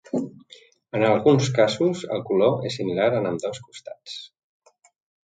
En alguns casos el color és similar en ambdós costats.